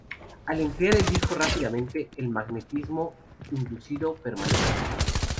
Al enfriar el disco rápidamente, el magnetismo inducido permanece.